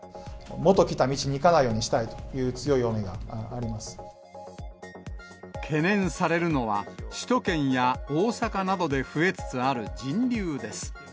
元来た道に行かないようにし懸念されるのは、首都圏や大阪などで増えつつある人流です。